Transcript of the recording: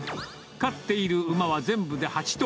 飼っている馬は全部で８頭。